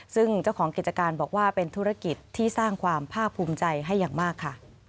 ซึ่งเจ้าของกิจการบอกว่าเป็นธุรกิจที่สร้างความภาคภูมิใจให้อย่างมากค่ะ